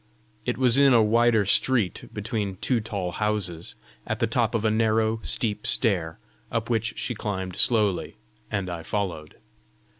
It was in a wider street, between two tall houses, at the top of a narrow, steep stair, up which she climbed slowly, and I followed.